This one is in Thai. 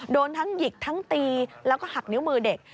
โดนทั้งหยิกทั้งตีแล้วก็หักนิ้วมือเด็ก